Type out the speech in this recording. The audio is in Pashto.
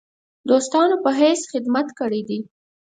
دوستانو په حیث خدمت کړی دی.